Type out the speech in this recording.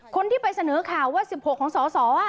คนที่ไปเสนอข่าวว่า๑๖ของสส